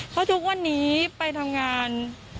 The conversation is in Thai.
เพราะทุกวันนี้ไปทำงาน